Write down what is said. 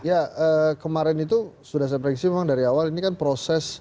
ya kemarin itu sudah saya prediksi memang dari awal ini kan proses